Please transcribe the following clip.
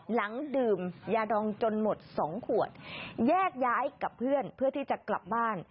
หลังดื่มยาดองจนหมดสองขวดแยกย้ายกับเพื่อนเพื่อที่จะกลับบ้าน